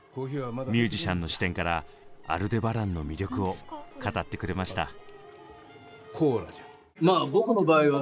ミュージシャンの視点から「アルデバラン」の魅力を語ってくれました。